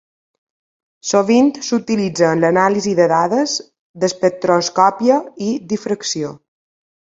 Sovint s'utilitza en l'anàlisi de dades d'espectroscòpia i difracció.